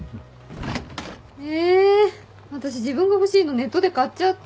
えあたし自分が欲しいのネットで買っちゃったよ。